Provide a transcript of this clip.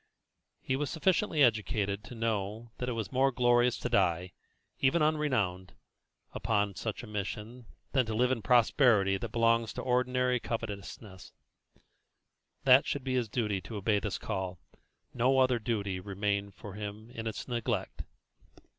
He was sufficiently educated to know that it was more glorious to die, even unrenowned, upon such a mission, than to live in the prosperity that belongs to ordinary covetousness, that should it be his duty to obey this call, no other duty remained for him in its neglect.